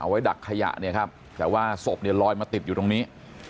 ดักขยะเนี่ยครับแต่ว่าศพเนี่ยลอยมาติดอยู่ตรงนี้